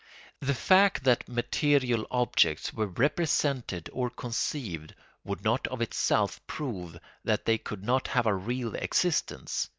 The fact that material objects were represented or conceived would not of itself prove that they could not have a real existence.